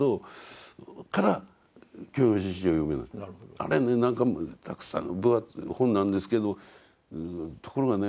あれはね何かたくさん分厚い本なんですけどところがね